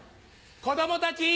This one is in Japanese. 子供たち！